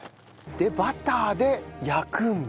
でバターで焼くんだ。